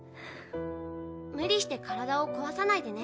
無理して体を壊さないでね？